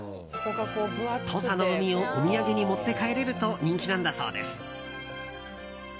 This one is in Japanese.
土佐の海をお土産に持って帰れると人気なんだそうです。